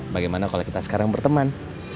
bagaimana kalau kita sekarang berteman